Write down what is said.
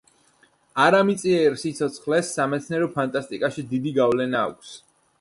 არამიწიერ სიცოცხლეს სამეცნიერო ფანტასტიკაში დიდი გავლენა აქვს.